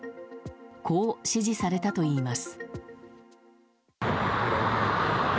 こう指示されたといいます。